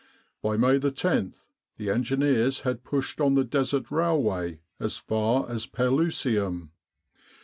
"By May 10, the Engineers had pushed on the Desert railway as far as Pelusium.